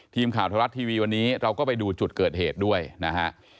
ทีมข่าวธรรมรัฐทีวีวันนี้เราก็ไปดูจุดเกิดเหตุด้วยนะฮะ